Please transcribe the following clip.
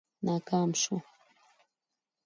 ناکام شو.